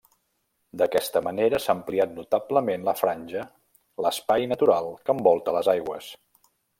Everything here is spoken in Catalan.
D’aquesta manera s’ha ampliat notablement la franja l’espai natural que envolta les aigües.